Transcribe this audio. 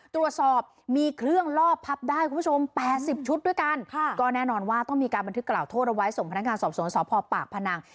ตรวจสอบมีเครื่องลอบพับได้คุณผู้ชม๘๐ชุดด้วยกันก็แน่นอนว่าต้องมีการบันทึกกล่าวโทษเอาไว้ส่งพนักงานสอบสวนสพปากพนัง